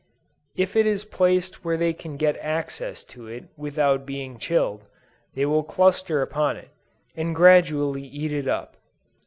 If it is placed where they can get access to it without being chilled, they will cluster upon it, and gradually eat it up.